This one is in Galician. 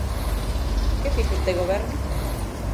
¿Que fixo este goberno?